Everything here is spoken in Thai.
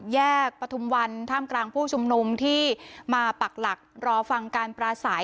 แยกปฐุมวันท่ามกลางผู้ชุมนุมที่มาปักหลักรอฟังการปราศัย